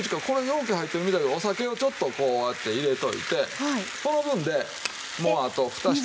うけ入ってるみたいやけどお酒をちょっとこうやって入れておいてこの分でもうあと蓋したら。